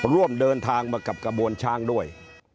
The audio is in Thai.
ร่วมเดินทางมากับกระบวนช้างด้วย